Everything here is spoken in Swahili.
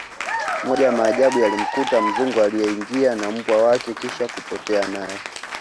moja ya maajabu yalimkuta mzungu aliye ingia na mbwa wake kisha kapotea naye